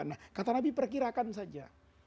nah kata nabi perkirakan saja